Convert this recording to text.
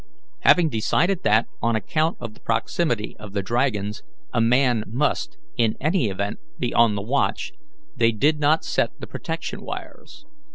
Having decided that, on account of the proximity of the dragons, a man must in any event be on the watch, they did not set the protection wires.